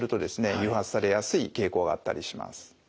誘発されやすい傾向があったりします。